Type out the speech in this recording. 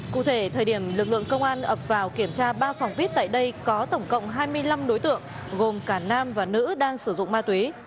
cụ thể thời điểm lực lượng công an ập vào kiểm tra ba phòng viết tại đây có tổng cộng hai mươi năm đối tượng gồm cả nam và nữ đang sử dụng ma túy